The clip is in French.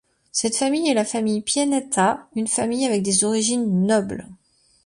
Cette famille est la famille Pianetta, une famille avec des origines nobles.